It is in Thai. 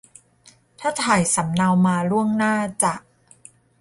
ถ้าถ่ายสำเนามาล่วงหน้าจะ